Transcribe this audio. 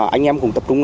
anh em cùng tập trung